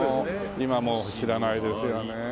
今もう知らないですよね。